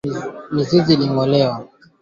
moja kwa moja au vinginevyo